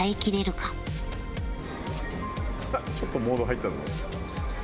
ちょっとモード入ったぞ。